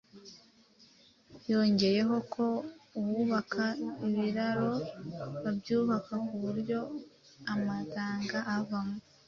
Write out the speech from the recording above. Yongeyeho ko uwubaka ibiraro abyubaka ku buryo amaganga avamo